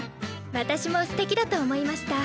私もステキだと思いました。